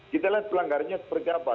kita lihat pelanggarannya seperti apa